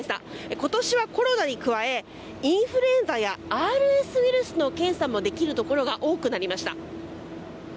今年はコロナに加えインフルエンザやＲＳウイルスの検査もできるところが多くなりました。